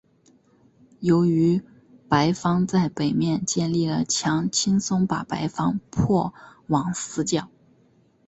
由于白方在北面建立了墙轻松把白方迫往死角。